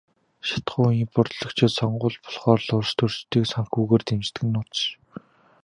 Шатахуун импортлогчид сонгууль болохоор л улстөрчдийг санхүүгээр дэмждэг нь нууц биш.